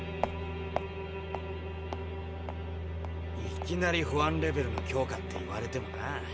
いきなり「保安レベルの強化」って言われてもな。